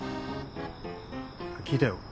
聞いたよ。